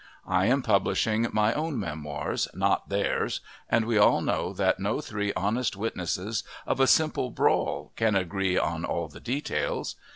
I am publishing my own memoirs, not theirs, and we all know that no three honest witnesses of a simple brawl can agree on all the details.